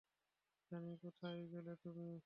Johnny, কোথায় গেলে তুমি?